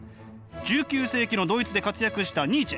１９世紀のドイツで活躍したニーチェ。